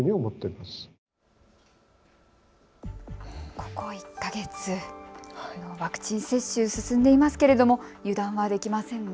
ここ１か月、ワクチン接種、進んでいますけれども油断はできませんね。